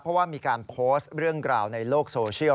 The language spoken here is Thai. เพราะว่ามีการโพสต์เรื่องราวในโลกโซเชียล